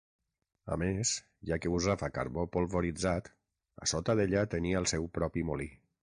A més, ja que usava carbó polvoritzat, a sota d'ella tenia el seu propi molí.